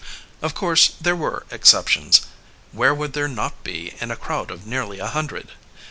Of course there were exceptions; where would there not be in a crowd of nearly a hundred?